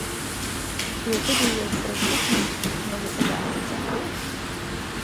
Je to důvod, proč se k Minsku znovu obrátit zády?